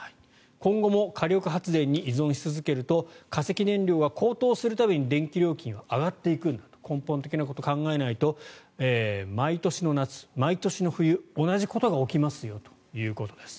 今後も火力発電に依存し続けると化石燃料が高騰する度に電気料金は上がっていくんだと根本的なことを考えないと毎年の夏、毎年の冬同じことが起きますよということです。